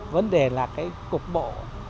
vấn đề là cái cục bộ